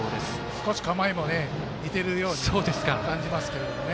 少し構えも似ているように感じますけどね。